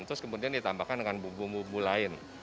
terus kemudian ditambahkan dengan bumbu bumbu lain